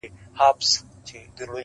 هله به اور د اوبو غاړه کي لاسونه تاؤ کړي.